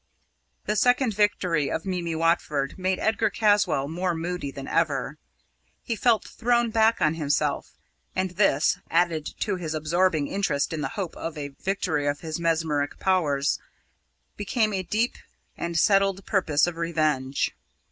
The second victory of Mimi Watford made Edgar Caswall more moody than ever. He felt thrown back on himself, and this, added to his absorbing interest in the hope of a victory of his mesmeric powers, became a deep and settled purpose of revenge.